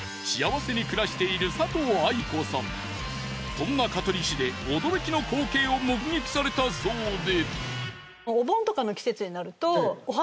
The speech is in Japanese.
そんな香取市で驚きの光景を目撃されたそうで。